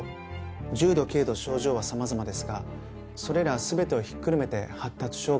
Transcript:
重度軽度症状は様々ですがそれら全てをひっくるめて発達障害と呼んでいます。